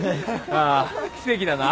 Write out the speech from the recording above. ああ奇跡だな。